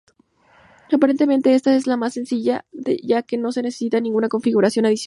Aparentemente esta es la más sencilla ya que no necesita ninguna configuración adicional.